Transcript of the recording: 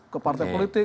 ke partai politik